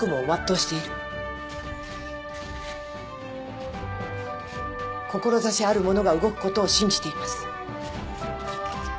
志ある者が動くことを信じています。